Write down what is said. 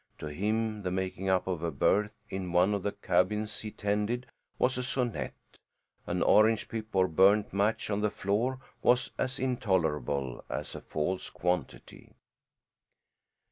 To him the making up of a berth in one of the cabins he tended was a sonnet; an orange pip or burnt match on the floor was as intolerable as a false quantity.